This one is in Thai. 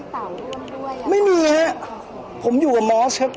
เห็นว่ามันมีคอนเสิร์ตที่คุณพี่เล่นแล้วก็พี่ตาวร่วมด้วย